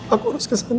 aku harus ke sana